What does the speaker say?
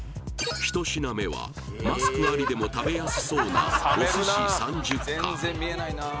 １品目はマスクありでも食べやすそうなお寿司３０貫